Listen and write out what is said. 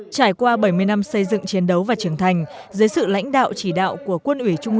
trải qua bảy mươi năm xây dựng chiến đấu và trưởng thành dưới sự lãnh đạo chỉ đạo của quân ủy trung